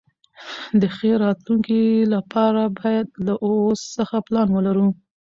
د ښې راتلونکي لپاره باید له اوس څخه پلان ولرو.